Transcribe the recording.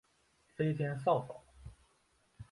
飞天扫帚。